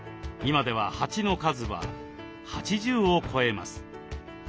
今では鉢の数は８０を超えます。